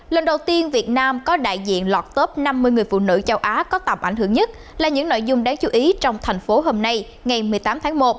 lần đầu tiên việt nam có đại diện lọt top năm mươi người phụ nữ châu á có tầm ảnh hưởng nhất là những nội dung đáng chú ý trong thành phố hôm nay ngày một mươi tám tháng một